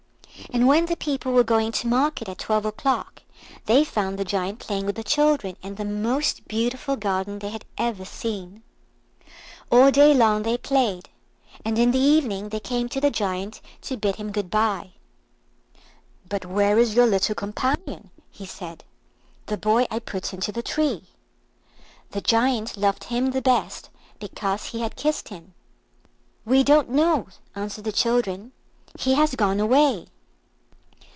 And when the people were going to market at twelve o'clock they found the Giant playing with the children in the most beautiful garden they had ever seen. All day long they played, and in the evening they came to the Giant to bid him good bye. "But where is your little companion?" he said: "the boy I put into the tree." The Giant loved him the best because he had kissed him. "We don't know," answered the children; "he has gone away."